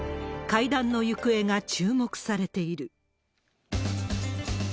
会談の行方が注目されている。